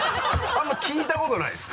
あんまり聞いたことないです。